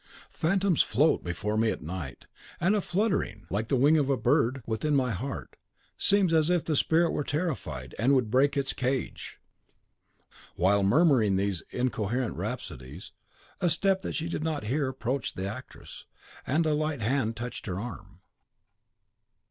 Phantoms float before me at night; and a fluttering, like the wing of a bird, within my heart, seems as if the spirit were terrified, and would break its cage." While murmuring these incoherent rhapsodies, a step that she did not hear approached the actress, and a light hand touched her arm.